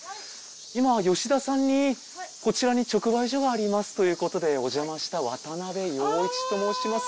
今吉田さんにこちらに直売所がありますということでおじゃました渡部陽一と申します。